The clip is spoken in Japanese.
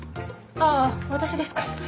あ私ですか。